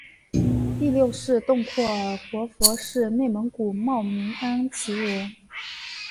第六世洞阔尔活佛是内蒙古茂明安旗人。